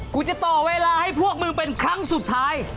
กูจะต่อเวลาให้พวกมึงเป็นครั้งสุดท้าย